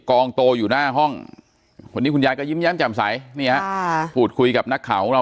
กองโตอยู่หน้าห้องวันนี้คุณยายก็ยิ้มแย้มแจ่มใสนี่ฮะพูดคุยกับนักข่าวของเรา